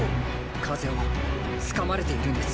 風をつかまれているんです。